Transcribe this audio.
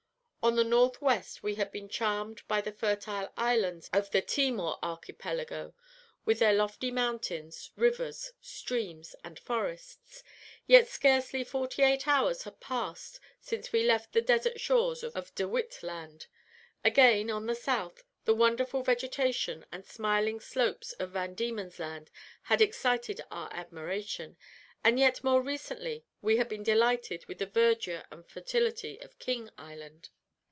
On the north west we had been charmed by the fertile islands of the Timor Archipelago, with their lofty mountains, rivers, streams, and forests. Yet scarcely forty eight hours had passed since we left the desert shores of De Witt Land. Again, on the south, the wonderful vegetation and smiling slopes of Van Diemen's Land had excited our admiration, and yet more recently we had been delighted with the verdure and fertility of King Island.